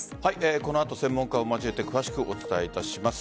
この後、専門家を交えて詳しくお伝えします。